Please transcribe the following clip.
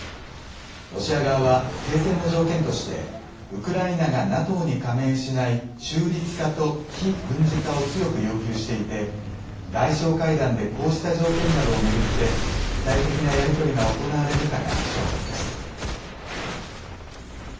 ロシア側は停戦の条件としてウクライナがＮＡＴＯに加盟しない中立化と非軍事化を強く要求していて外相会談でこうした条件などを巡って具体的なやり取りが行われるかが焦点です。